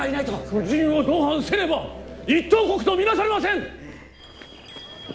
夫人を同伴せねば一等国と見なされません！